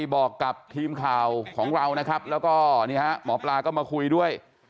บอกกับทีมข่าวของเรานะครับแล้วก็นี่ฮะหมอปลาก็มาคุยด้วย